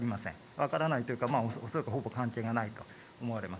分からないというか恐らくほぼ全く関係がないと思います。